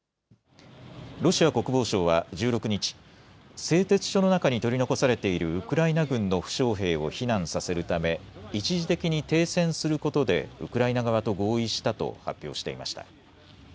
ロシア国防省は１６日、製鉄所の中に取り残されているウクライナ軍の負傷兵を避難させるため一時的に停戦することでウクライナ側と合意したと発表していました。